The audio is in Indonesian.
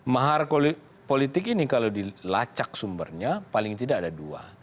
mahar politik ini kalau dilacak sumbernya paling tidak ada dua